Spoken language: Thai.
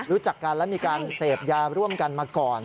รู้จักกันและมีการเสพยาร่วมกันมาก่อน